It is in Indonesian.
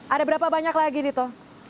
ada berapa banyak lagi dito